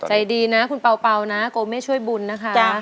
ใจดีนะคุณเป่านะโกเม่ช่วยบุญนะคะ